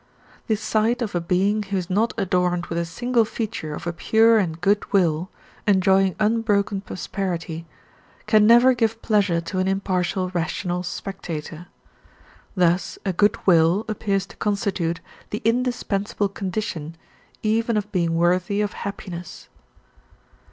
The sight of a being who is not adorned with a single feature of a pure and good will, enjoying unbroken prosperity, can never give pleasure to an impartial rational spectator. Thus a good will appears to constitute the indispensable condition even of being worthy of happiness.